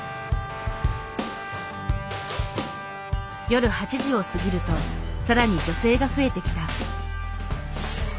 夜８時を過ぎると更に女性が増えてきた。